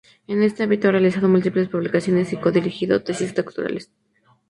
En este ámbito ha realizado múltiples publicaciones y codirigido tesis doctorales.